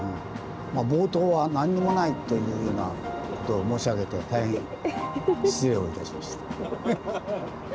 冒頭は何にもないというようなことを申し上げて大変失礼をいたしました。